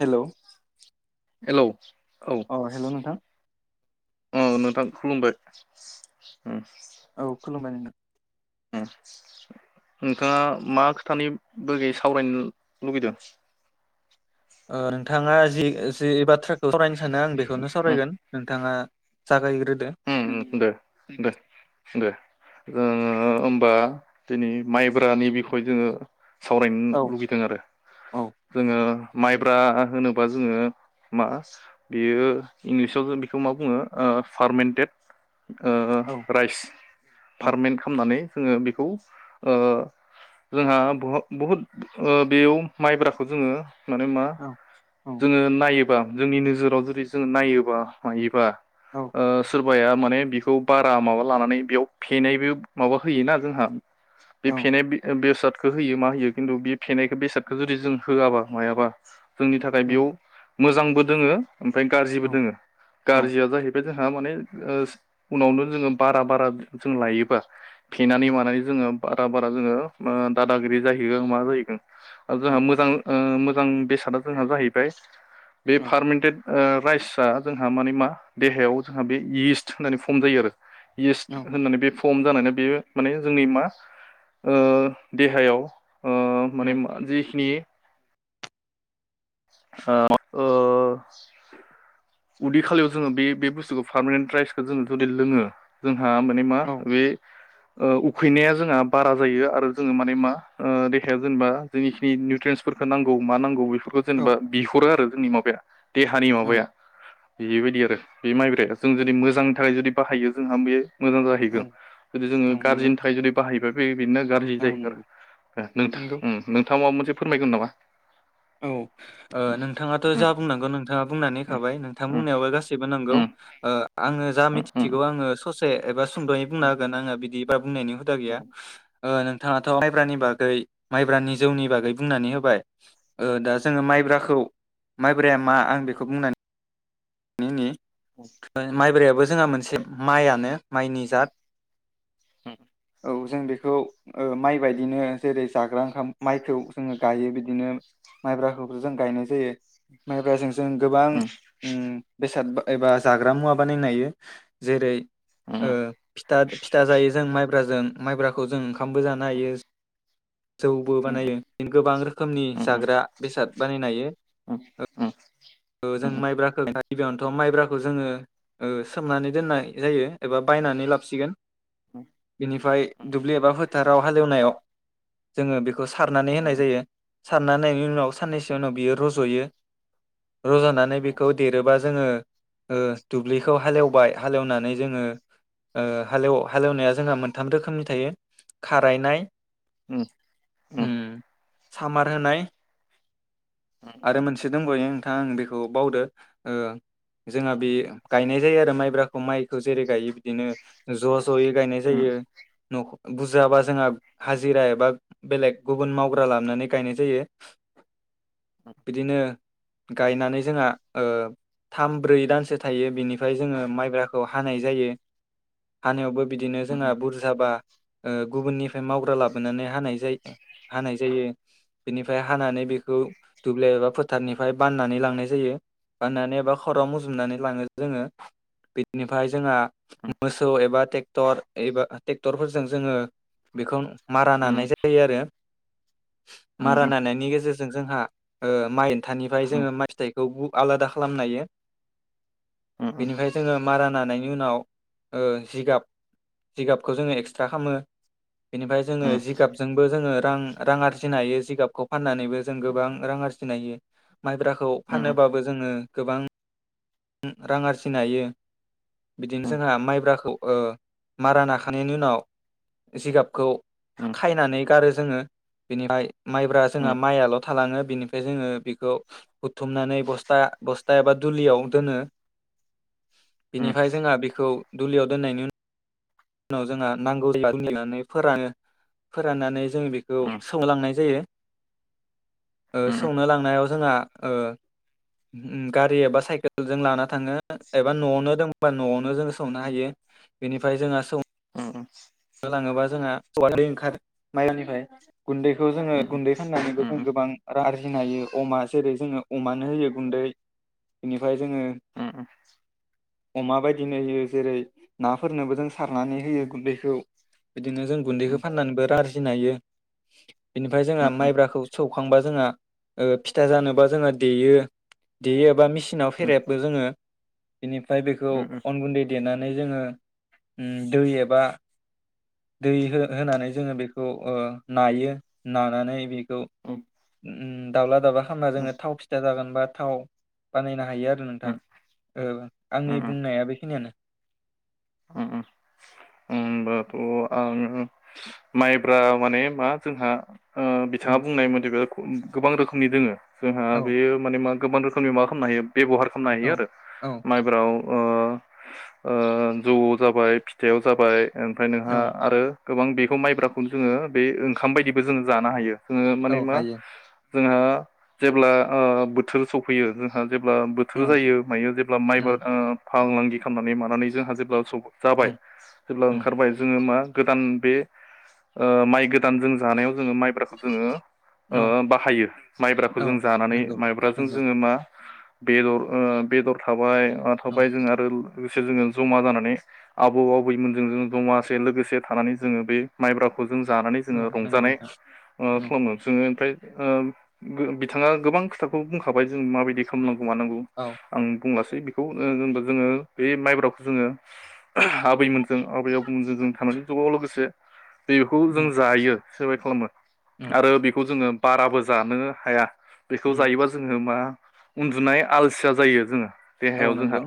हेल' hello अ हेल' नोंथां अ नोंथां खुलुमबाय। उम औ खुलुमबाय नोंथां। उम नोंथाङा मा खोथानि बागै सावरायनो लुबैदों? ओ नोंथाङा जि जि एबा ट्राक सावरायनो सानो आं बेखौनो सावरायगोन नोंथाङा जागायग्रो हो उम उम दे दे दे जोङो होमबा दिनै माइब्रानि बिखय जोङो सावरायनो औ लुगैदों आरो औ जोङो माइब्रा होनोबा जोङो मा बेयो इंलिसाव जों बेखौ मा बुङो ओ फारमेन देद औ ओ राइस औ फारमेन् खालामनानै जोङो बेखौ ओ जोंहा बहुद बेयाव माइब्राखौ जोङो मानो होनबा औ औ जोङो नायो जोंनि नोजोराव जुदि जोङो नायोबा मायोबा औ आ सोरबाया माने बेखौ बारा माबा लानानै बेयाव फेनायबो माबा होयोना जोंहा, बे औ फेनाय बेसादखौ होयो मा होयो खिन्थु बे फेनायखौ बेसादखौ जुदि जों होआबा मायाबा, जोंनि थाखाय बेयाव मोजांबो दोङो ओमफ्राय औ गाज्रिबो दोङो, औ गाज्रिया जाहैबाय- जोंहा माने ओ उनावनो जोङो बारा बारा जों लायोबा फेनानै उम मानानै जोङो बारा बारा जोङो ओ दादागिरि जाहैगोन मा जाहैगोन। आ औ जोंहा मोजां ओ मोजां बेसादा जोंहा जाहैबाय बे औ फारमिन्टेड ओ राइसआ जोंहा माने मा देहायाव जोंहा बे इस्ट होननानै फर्म जायो आरो। औ इस्ट होननानै बे पर्म जानायानो बेयो माने जोंनि मा ओ देहायाव ओ माने जेखिनि आ ओ उदै खालियाव जोङो बे बे बुस्थुखौ पार्मानेन्ट राइसखौ जोङो जुदि लोङो जों हा माने मा औ बे ओ उखैनाया जोंहा बारा जायो आरो जोङो माने मा ओ देहाया जेनेबा जोंनिखिनि निउट्रेन्सफोरफोरखौ नांगौ मा नांगौ बे फोरखौ औ जेनेबा बिहरो आरो। जोंनि माबाया। देहानि माबाया। बेबायदि आरो बे माइब्राया जों जुदि मोजांनि थाखाय जुदि बाहायो जोंहा बे मोजां औ जाहैगोन, जुदि औ जोङो नंगौ गाज्रिनि थाखाय जुदि बाहायोबा बे बेनो गाज्रि औ जाहैगोन नंगौ आरो नंगौ नोंथां, नोंथाङा माबा मोन से फोरमायगोन नामा? औ ओ नोंथाङाथ' जा बुंनांगौ नोंथाङा बुंनानै उम थाबाय नोंथां बुंनायाव गासिबो नंगौ उम ओ आं जा उम उम मिथिगौ आङो स से एबा सुंद'यै बुंनो हागोन आङो बिदि बा बुंनायनि हुदा गैया ओ नोंथाङाथ' माइब्रानि बागै माइब्रानि जौनि बागै बुंनानै होबाय। ओ दा जोङो माइब्राखौ माइब्राया मा आं बेखौ बुंनानै होनि माइब्रायाबो जोंहा मोनसे माइआनो माइनि जात। औ जों बेखौ ओ माइ बेबायदिनो जेरै जाग्रा ओंखाम माइखौ जोङो गायो बिदिनो माइब्राखौबो जों गायनाय जायो माइब्रा जों जों गोबां ओम बेसाद एबा जाग्रा मुवा बानायनो हायो जेरै ओ फिथा फिथा जायो जों माइ ब्राजों माइब्राखौ जों खामबो जानो हायो। जौबो बानायो गोबां रोखोमनि जाग्रा बेसाद बानायनो हायो। ओम ओम। ओ जों माइब्राखौ [unintelligible] गिबियावनोथ' माइब्राखौ जोङो ओ सोमनानै दोननाय जायो एबा बायनानै लाबोसिगोन। बिनिफ्राय दुब्लि एबा फोथार राव हालेवनायाव जोङो बे खौ सारनानै होनाय जायो। सारना होनायनि उनाव साननैसो उनाव बियो रज'यो। रज'नानै बेखौ देरोबा जोङो ओ दुब्लिखौ हालेवबाय हालेवनानै जोङो ओ हालेव हालेवनाया जोंहा मोनथाम रोखोमनि थायो खारायनाय उम उम। सामार होनाय। आरो मोनसे दंबायो। आं बेखौ बावदो ओ जोंहा बे गायनाय जायो आरो माइब्रा ख माइखौ जेरै गायो बिदिनो ज' ज'यै गायनाय जायो न' बुस जाबा जोंहा हाजिरा बा बेलेग गुबुन मावग्रा लानानै गायनाय जायो। बिदिनो गायनानै जोंहा ओ थाम ब्रै दानसो थायो बिनिफ्राय जोङो माइब्राखौ हानाय जायो। हानायावबो बिदिनो जोंहा बुरजाबा ओ गुबुननिफ्राय मावग्रा लाबोनानै हानाय जायो हानाय जायो बेनिफ्राय हानानै बेखौ दुब्लि एबा फोथारनिफ्राय बाननानै लांनाय जायो। बाननानै एबा खराव मुजुमनानै लाङो जोङो बिदिनिफ्राय जोंहा मोसौ एबा टेक्ट क्टर एबा ट्रेक्टरफोरजों जोङो बेखौ मारा नानाय जायो आरो। मारा नानायनि गेजेरजों जों जोंहा ओ माइन खथानिफ्राय जोङो म फिथाइखौ बु आलादा खालामनायो। बेनिफ्राय जोङो मारान नानायनि उनाव ओ जिगाब जिगाबखौ जोङो एक्सट्रा खालामो। बिनिफ्राय जोङो जिगाबजोंबो जोङो रां रां आरजिनो हायो जिगाबखौ फाननानैबो जों गोबां रां आरजिनो हायो। माइब्राखौ फानोबाबो जोङो गोबां रां आरजिनाय हायो। बिदिनो जोंहा माइब्राखौ ओ मारा नाखांनायनायनि उनाव जिगाबखौ खायनानै गारो जोङो बेनिफ्राय माइब्रा जोंहा माइआल' थालाङो। बिनिफ्राय जोङो बेखौ बुथुमनानै बस्था बस्था एबा दुलियाव दनो उम बिनिफ्राय जोंहा बेखौ दुलियाव दोननायनि उन उनाव जोंहा नांगौ जनानै फोरानो फोराननानै जों बेखौ उम सोमलांनाय जायो। ओ उम सौनो लांनायाव जों ओ गारि एबा सकेल जों लाना थाङो एबा न'आवनो दबा न'आवनो ज संनो हायो बेनिफ्राय जोङे [unintelligible] लाङोबा जोंहा औवा दै ओंखार माइरनिफ्राय गुन्दैखौ जोङो गुन्दै फाननानैबो जों गोबां रां आरजि फिनो हायो अमा जेरै जोङो अमानो होयो गुन्दैनि ओमफ्राय जोङो अमा बायदिनो होयो जेरै नाफोरनोबो जों सारनानै होयो गुन्दैखौ बिदिनो जों गुन्दैखौ फाननानैबो रां आरजिनो नायो बेनिफ्राय जोंहा माइब्राखौ सौखांबा जों जोंहा ओ फिथा जानोबा देयो देयो एबा मिसिनाव मसिनाव फेरेबो जोङो बिनिफ्राय बेखौ आङो अन गुन्दै देनानै नाय जोंङो दै एबा दै होनानै जोङो बेखौ ओ नायो नानानै बे औ दाावला दाबा खालामना जोङो थाव फिा जागोन बा थावाव बानायना हायो आरो नोंथां ओ आंनि बुंनाया बेखिनियानो उम होनबाथ' आङो माइब्रा माने मा जोंहा ओ औ बिथाङा बुंनाय मथैबा गोबां रोखोमनि दोङो जोंहा औ बेयो माने मा गोबां रोखोमनि माबा खालामनो हायो बेब'हार खालामनो औ हायो आरो औ माइब्रायाव ओ जौआव जाबाय फिथाइयाव जाबाय ओमफ्राय नोंहा औ आरो गोबां बेखौ माइब्राखौनो जोङो बे ओंखाम बायदिबो जोङो जानो हायो। जों औ माने मा हायो जोंहा जेब्ला ओ बोथोर सफैयो जोंहा जेब्ला औ बोथोर जायो मायो जेब्ला उम माइबा फालांगि खालामनानै मानानै जोंहा जो [unintelligible] जाबाय उम जेब्ला उम ओंखारबाय जोङो मा गोदान बे ओ माइ गोदान जों जानायाव जोङो माइ ब्राखौ जोङो ओ औ बाहायो माइब्राखौ औ जों जानानै नंगौ माइब्राजों नंगौ जोङो मा बेदर ओ बेदर थाबाय ओ औ थाबाय जों आरो लोगोसे जोङो जमा जानानै आबौ आबैमोनजों जों जमासे लोगोसे थानानै जो बे माइब्रा खौ जों जानानै औ जोङो नंगौ रंजानाय नोंथां उम खालामो जोङो ओमफ्राय ओ बिथाङा गोबां खोथाखौ बुंखाबाय जों माबायदि खालामलांगौ। मानांगौ औ आं बुंलास दे बिखौ ओ जेनबा जोङो बे माइब्राखौ जोङो आबैमोन जों आबैयाव जोगोम जोगोम थानायनि जुगाव लोगोसे बे बेखौ जों उम जायो सोरबाय खालामो उम आरो बेखौ जोङो बाराबो जानो हाया। बेखौ उम जायोबा जोङो मा उन्दुनाय आलसिया जायो जोङो औ देहायाव जोंहा नंगौ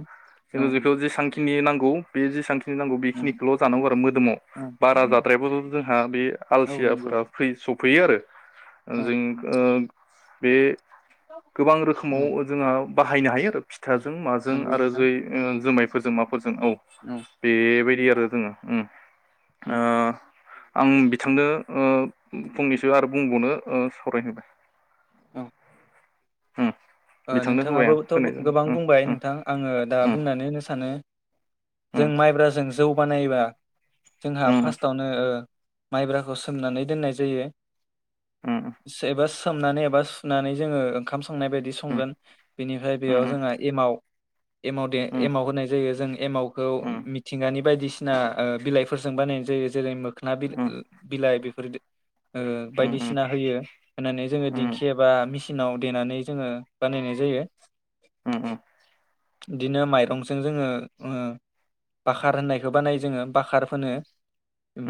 औ जोङो जिखौ जेसांखि खिनि नांगौ गौ बेयो जेसांखि खिनि नांगौ उम बेखिनिखौल' जानांगौ आरो मोदोमाव औ बारा जा ट्राइबेल जोंहा बे औ नंगौ आलसियाफोरा फ्रि स फुयो आरो औ जों ओ बे गोबां औ रोखोमाव जोंहा बाहायनो हायो। औ फिथाजों माजों नंगौ आरो नोंथां जै जुमाय फोरजों माफोरजों औ बेबायदि आरो जोङो उम उम ओ आं बिथांनो ओ फंनैसो आरो बुंबावनो सावराय होबाय औ ओ बिथांनो होबाय आं नोंथाङाबोथ' होनायजों गोबां उम बुंबाय नोंथां आङो दा उम बुंनानै होनो सानो जों उम माइब्रा जों जौ बानायबा जोंहा उम फार्स्टावनो ओ माइब्राखौ सोमनानै दोननाय जायो। उम से बास सोमनानै एबा सुनानै जोङो ओंखाम संनाय बा संगोन बिनिफ्राय बेयाव उम जोंहा एमाव एमाव दे उम एमाव होनाय जायो जों एमाव खौ उम मिथिंगानि बायदिसि बिसिना ओ बिलाइफोरजों बानायनाय जायो जेरै मो खोना बि उम उम बिलाइ बि फोर दो ओ उम उम बायदिसिना होयो होननानै जोङो उम दिंखि एबा मिस सिनाव देनानै जोङो बानायनाय जायो उम उम बिदिनो माइरंजों जोङो ओ बाखार होननायखौ बानायो जोङो बाखार फोनो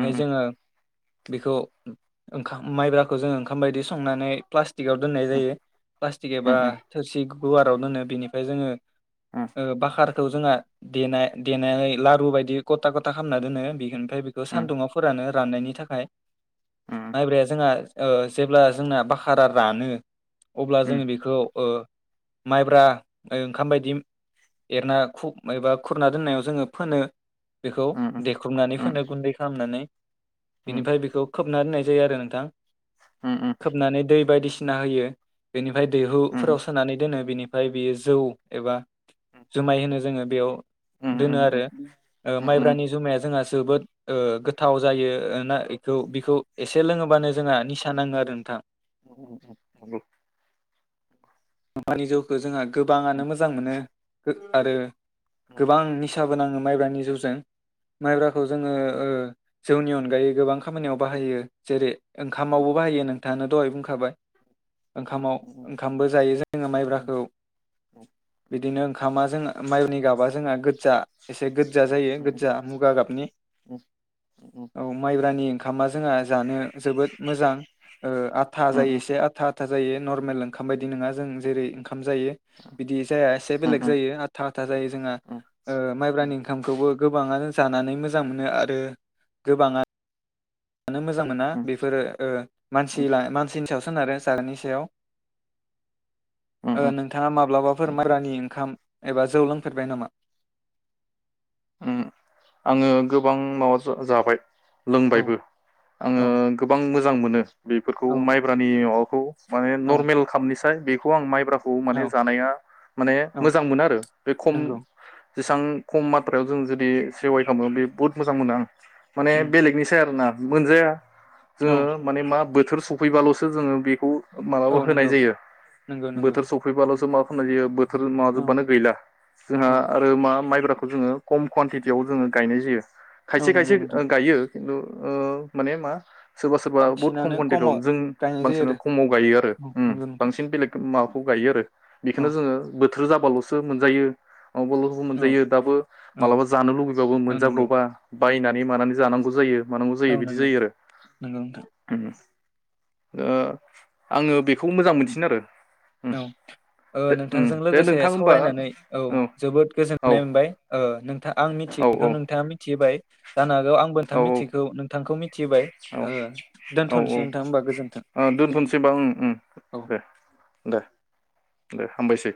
उम जोङो बेखौ ओंखाम माइब्राखौ जोङो ओंखाम बायदि संनानै प्लास टिकआव दोननाय उम जायो प्लास्टिक एबा उम थोरसि गुवाराव दोनो बेनिफाय जोङो ओ बाखार खौ जोंहा दे देनानै लारु बायदि गथा गथा खालामना दोनो बेखोनो ओमफाय बेखौ सान्दुंङा फोरानो राननायनि थाखाय मायब्राया जोंहा ओ जेब्ला जोंना भाकारा रानो अब्ला जोङो बेखौ ओ माइब्रा ओंखाम बायदि एरना खु एबा खुरना दोननायाव जोङो फोनो बेखौ देख्रुबनानै फोनो गुन्दै खालामनानै बिनिफ्राय बेखौ खोबना दोननाय जायो आरो नोंथां खोबनानै दै बायदिसिना ना होयो बेनि ओमफ्राय दैहुफोराव सोनानै दोनो बिनि ओमफ्राय बियो जौ एबा जुमाय होनो जोङो बेयाव दोनो उम आरो उम ओ उम माइब्रानि जुमाया जोंहा जोबोद ओ गोथाव जायो ओ ना बेखौ बिखौ एसे एसे लोङोबननो जोंहा निसा नाङो आरो नोंथां। [unintelligible] नंगौ मानि जौखौ जोंहा गोबाङानो मोजां मोनो। गो आरो गोबां निसा बो नाङो मायब्रानि जौजों, मायब्रा खौ जोङो ओ जौनि अनगायै गोबां खामानियाव बाहायो जेरै ओंखामावबो बाहायो नोंथाङानो दहाय बुंखाबाय। ओंखामाव ओंखामबो जायो जोङो माइब्राखौ बिदिनो ओंखामा जों माइनि गाबा जोंहा गोजजा एसे गो गोजा जायो गोजजा मुगा गाबनि औ माइब्रानि ओंखामा जोंहा जानो जोबोद मोजां ओ आथा जायो एसे आथा था जायो नर्मेल ओंखामा बायदि दि नङा जों जेरै ओंखाम जायो बिदि जाया एसे बेलेग जायो आथा आथा जायो ओ जोंहा माइब्रानि ओंखाम खौबो गोबाङानो जानानै मोजां मोनो आरो गोबाङा नो मोजां मोना बेफोरो ओ मानसि ला मानसिनि सायावसो सोनारो जानायनि सायाव। ओ नोंथाङा माब्लाबा फोर माइब्रानि ओंखाम एबा जौ लोंफेर बाय नामा? उम आङो गोबां माबा जा जाबाय। औ लोंबायबो औ आङो गोबां मोजां मोजां मोनो। बेफोरखौ औ माइब्रानि हव माने औ नर्मेल खामनि फाय बेखौ आं माइब्रा खौ औ माने जानाया माने औ मोजां मोनो आरो बे खम नंगौ जेसां खमा फ्रायायाव जों जुदि सेवाइ खालामो बे बहुत मोजां मोनो आं माने उम बेलेगनिसाय आरोना मोनजाया औ जोङो माने मा बो थोर सफैबाल'सो जोङो बेखौ मालाबा औ होनाय नंगौ जायो नंगौ नंगौ बोथोर सफैबाल'सो मा होनाय जायो बो थोर औ माबाजोबबानो गैला जोंहा औ आरो मा माइब्रा खौ जोङो खम कुवानटिटियाव जोङो गायनाय जायो। औ खायसे नंगौ खायसे नोंथां गायो खिन्थु ओ माने मा सोरबा सोरबा बुहुथ खम बांसिनानो कुवानटियाव खमाव जों गायनाय जायो बांसिन आरो खमाव गायो आरो औ नंगौ नोंथां बांसिन बेलेग माव बेखौ गायो आरो औ बेखौनो जोङो बो थोर जाबाल'सो मोनजायो। मावबाल'सो औ मोनजायो दाबो औ मालाबा जानो लुबैबाबो औ नंगौ मोनजाब्र'बा बायनानै मानानै जानांगौ जायो। मानांगौ जायो औ बिदि नंगौ जायो नंगौ नोंथां आरो ओ बेखौ मोजां मोनसिननो आरो उम औ ओ दे उम नोंथांजों दे लोगोसे नोंथां होमबा सावरायनानै औ जोबोद औ गोजोननाय मोनबाय ओ नोंथा आं औ औ मिथियैखौ नोंथाङा मिथिहोबाय जानो हागौ आंबो औ नोंथाङा मिथियैखौ नोंथांखौ मिथिहोबाय औ औ औ दोन्थ'नोसै नोंथां होनोमबा गोजोन्थों, औ दोनथ'नोसै होनबा उम उम औ दे दे दे हामबायसै